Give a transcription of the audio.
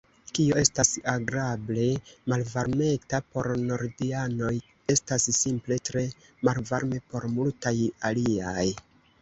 Kio estas agrable malvarmeta por nordianoj, estas simple tre malvarme por multaj aliaj.